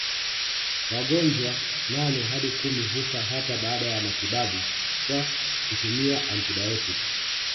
Wagonjwa nane hadi kumi hufa hata baada ya matibabu kwa kutumia antibiotiki